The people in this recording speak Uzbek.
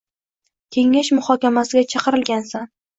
Kengash muhokamasiga chaqirilgansan!